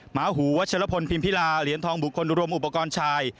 หมาหูวัชลพลพิมพิลาเหรียญทองบุคคลรวมอุปกรณ์ชาย